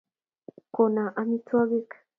kona amitwagik